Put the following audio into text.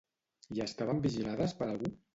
I estaven vigilades per algú?